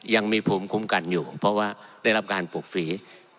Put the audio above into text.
ยังมีภูมิคุ้มกันอยู่เพราะว่าได้รับการปลูกฝี